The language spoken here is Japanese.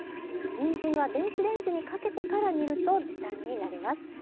にんじんは電子レンジにかけてから煮ると時短になります。